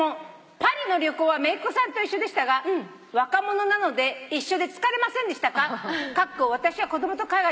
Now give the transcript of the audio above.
パリの旅行はめいっ子さんと一緒でしたが若者なので一緒で疲れませんでしたか？」